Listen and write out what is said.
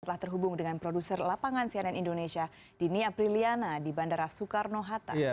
telah terhubung dengan produser lapangan cnn indonesia dini apriliana di bandara soekarno hatta